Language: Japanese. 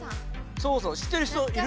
そうそう知ってる人いる？